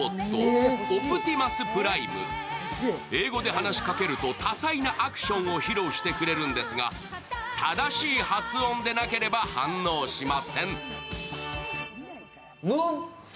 英語で話しかけると多彩なアクションを披露してくれるんですが、正しい発音でなければ反応しません。